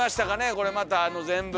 これまた全部。